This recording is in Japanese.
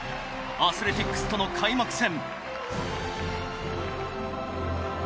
アスレティックスとの開幕戦。